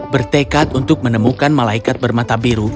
bertekad untuk menemukan malaikat bermata biru